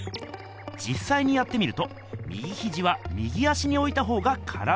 じっさいにやってみると右ひじは右足においたほうが体は楽。